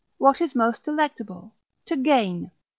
What is most delectable? to gain.